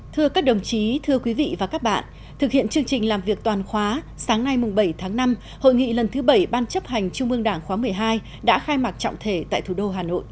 thưa các đồng chí thưa quý vị và các bạn thực hiện chương trình làm việc toàn khóa sáng nay bảy tháng năm hội nghị lần thứ bảy ban chấp hành trung ương đảng khóa một mươi hai đã khai mạc trọng thể tại thủ đô hà nội